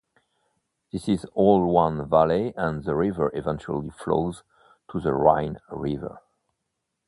This is all one valley and the river eventually flows to the Rhine river.